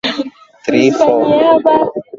wakati huo akizichezea timu mbalimbali za ligi hiyo